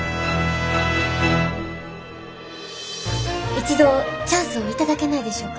一度チャンスを頂けないでしょうか？